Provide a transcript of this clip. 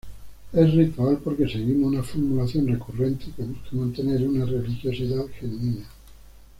Es ritual porque seguimos una formulación recurrente que busca mantener una religiosidad genuina.